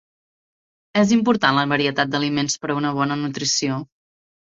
És important la varietat d'aliments per a una bona nutrició.